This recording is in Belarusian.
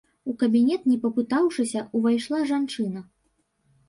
У кабінет, не папытаўшыся, увайшла жанчына.